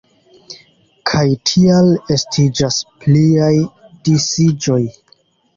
Kaj tial estiĝas pliaj disiĝoj.